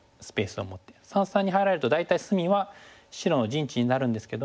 三々に入られると大体隅は白の陣地になるんですけども。